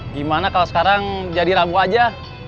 gimana kalau sekarang jadi ragu aja